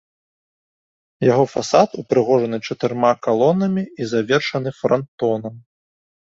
Яго фасад упрыгожаны чатырма калонамі і завершаны франтонам.